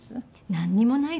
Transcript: なんにもない？